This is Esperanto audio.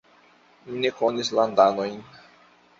Mi ne konis landanojn.